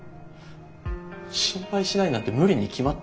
心配しないなんて無理に決まってる。